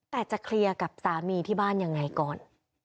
แต่จะเคลียร์กับสามีที่บ้านยังไงก่อน